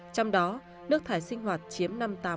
trong đó nước thải sinh hoạt chiếm năm mươi tám bốn mươi bảy